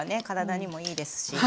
体にもいいですし。